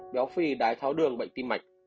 béo phi đái tháo đường bệnh tim mạch